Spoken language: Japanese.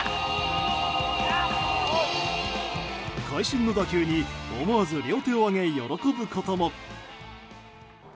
会心の打球に思わず両手を上げ喜ぶことも。